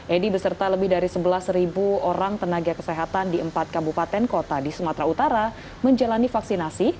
edi beserta lebih dari sebelas orang tenaga kesehatan di empat kabupaten kota di sumatera utara menjalani vaksinasi